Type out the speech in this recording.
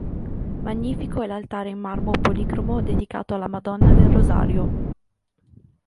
Magnifico è l'altare in marmo policromo dedicato alla Madonna del Rosario.